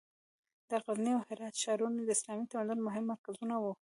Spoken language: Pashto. د غزني او هرات ښارونه د اسلامي تمدن مهم مرکزونه وو.